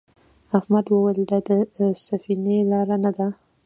احمد وویل دا د سفینې لار نه ده.